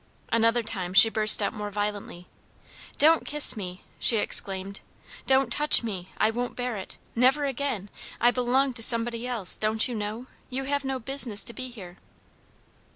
Another time she burst out more violently. "Don't kiss me!" she exclaimed. "Don't touch me. I won't bear it. Never again. I belong to somebody else, don't you know? You have no business to be here."